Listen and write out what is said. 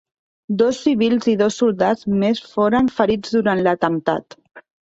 Dos civils i dos soldats més foren ferits durant l'atemptat.